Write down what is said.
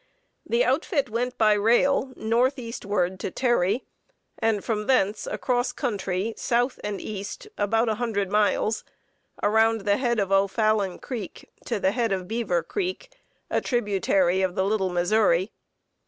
The outfit went by rail northeastward to Terry, and from thence across country south and east about 100 miles, around the head of O'Fallon Creek to the head of Beaver Creek, a tributary of the Little Missouri.